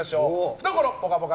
懐ぽかぽか！